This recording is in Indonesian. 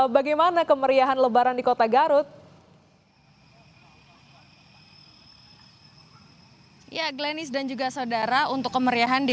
bagaimana kemeriahan lebaran di kota garut ya glenis dan juga saudara untuk kemeriahan di